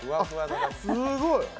すごい。